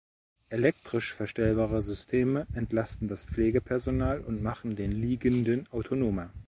Elektrisch verstellbare Systeme entlasten das Pflegepersonal und machen den Liegenden autonomer.